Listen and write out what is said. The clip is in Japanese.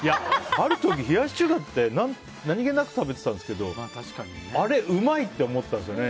ある時、冷やし中華って何気なく食べてたんですけどあれ、うまいって思ったんですよね。